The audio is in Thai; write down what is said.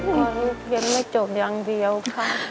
ก็รู้เพียงไม่จบอย่างเดียวค่ะ